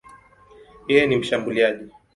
Yeye ni mshambuliaji.